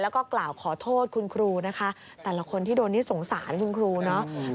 แล้วก็กล่าวขอโทษคุณครูนะคะแต่ละคนที่โดนนี่สงสารคุณครูเนาะ